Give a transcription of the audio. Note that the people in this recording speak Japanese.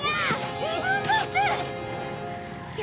自分だって！